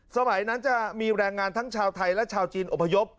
สมัยนั้นจะมีแรงงานทั้งชาวไทยและชาวจีนอพยพ